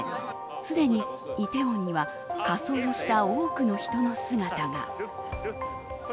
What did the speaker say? すでにイテウォンには仮装をした多くの人の姿が。